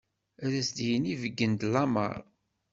Ad as-yini beggen-d lameṛ.